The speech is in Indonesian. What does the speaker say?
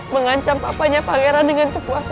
mengancam papanya pangeran dengan kepuasan